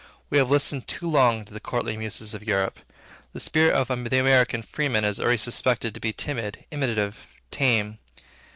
We have listened too long to the courtly muses of Europe. The spirit of the American freeman is already suspected to be timid, imitative, tame.